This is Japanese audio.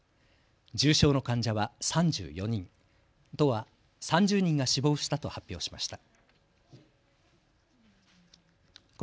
重症の患者は３４人、都は３０人が死亡したと発表しました。